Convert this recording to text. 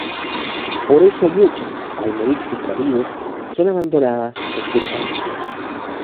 Por eso muchas —al morir sus maridos— son abandonadas por sus familias.